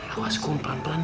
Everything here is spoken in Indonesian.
awas kum pelan pelan